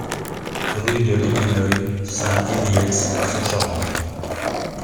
Rue de l'Épineuil, Saint-Yrieix-sur-Charente